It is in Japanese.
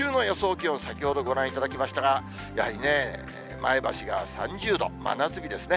気温、先ほどご覧いただきましたが、やはりね、前橋が３０度、真夏日ですね。